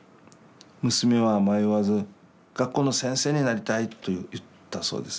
娘は迷わず「学校の先生になりたい」と言ったそうです。